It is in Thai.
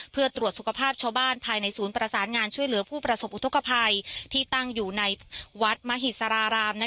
เพื่อตรวจสุขภาพชาวบ้านภายในศูนย์ประสานงานช่วยเหลือผู้ประสบอุทธกภัยที่ตั้งอยู่ในวัดมหิสาราราราม